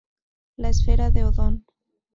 La Esfera de Odón.